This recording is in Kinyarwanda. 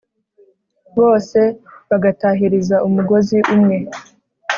bose bagatahiriza umugozi umwe